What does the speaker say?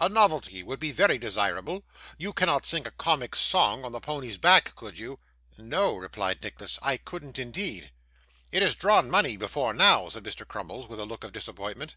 A novelty would be very desirable. You couldn't sing a comic song on the pony's back, could you?' 'No,' replied Nicholas, 'I couldn't indeed.' 'It has drawn money before now,' said Mr. Crummles, with a look of disappointment.